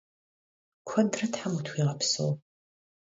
Kuedre them vutxuiğepseu!